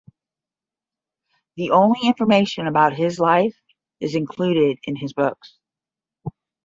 The only information about his life is included in his books.